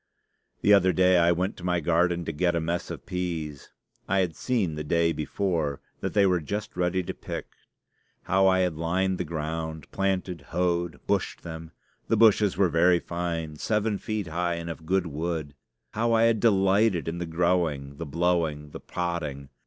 The other day I went to my garden to get a mess of peas. I had seen the day before that they were just ready to pick. How I had lined the ground, planted, hoed, bushed them! The bushes were very fine seven feet high, and of good wood. How I had delighted in the growing, the blowing, the podding!